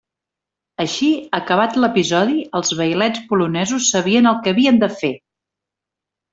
Així, acabat l'episodi, els vailets polonesos sabien el que havien de fer!